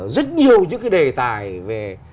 rất nhiều những cái đề tài về